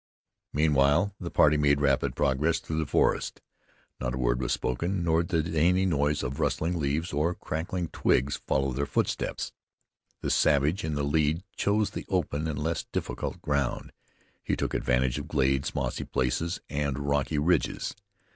Meanwhile the party made rapid progress through the forest. Not a word was spoken, nor did any noise of rustling leaves or crackling twigs follow their footsteps. The savage in the lead chose the open and less difficult ground; he took advantage of glades, mossy places, and rocky ridges.